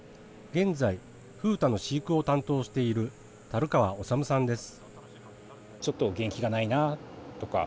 現在、風太の飼育を担当している樽川修さんです。